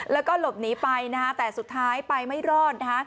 แล้วก็หลบหนีไปแต่สุดท้ายไปไม่รอด